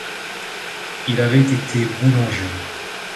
Il avait été boulanger.